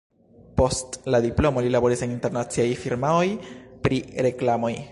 Post la diplomo li laboris en internaciaj firmaoj pri reklamoj.